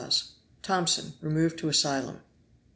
Tomson. Removed to asylum.